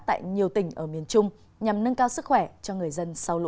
tại nhiều tỉnh ở miền trung nhằm nâng cao sức khỏe cho người dân sau lũ